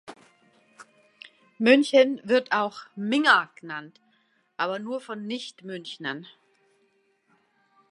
München wird auch Minga genannt, aber nur von Nicht-Münchnern.